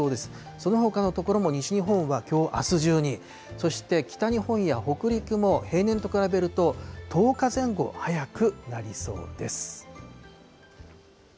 そのほかの所も西日本はきょうあす中に、そして北日本や北陸も、平年と比べると１０日前後早くなりそうです。